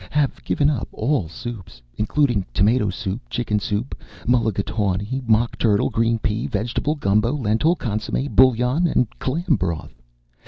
Have given up all soups, including tomato soup, chicken soup, mulligatawny, mock turtle, green pea, vegetable, gumbo, lentil, consommé, bouillon and clam broth.